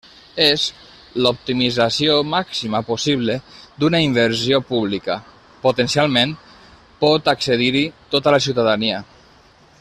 És l'optimització màxima possible d'una inversió pública: potencialment pot accedir-hi tota la ciutadania.